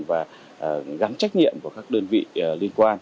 và gắn trách nhiệm của các đơn vị liên quan